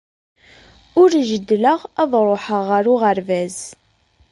Ur jeddleɣ ad ṛuḥeɣ ɣer uɣerbaz.